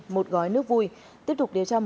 muốn chúc cho